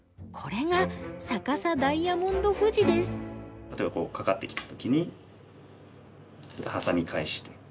これが例えばカカってきた時にハサミ返して。